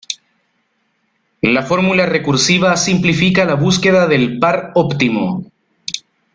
La fórmula recursiva simplifica la búsqueda del par óptimo.